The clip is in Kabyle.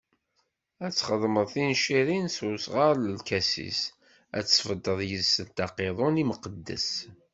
Ad txedmeḍ tincirin s usɣar n lkasis, ad tesbeddeḍ yis-sent aqiḍun imqeddes.